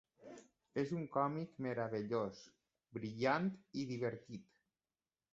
És un còmic meravellós, brillant i divertit.